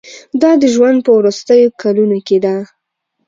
دا د ژوند په وروستیو کلونو کې ده.